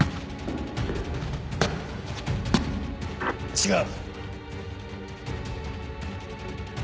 違う。